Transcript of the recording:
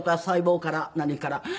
細胞から何から。